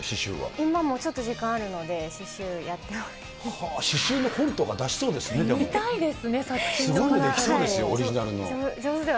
今も、ちょっと時間あるので、刺しゅうの本とか出しそうですね、でも。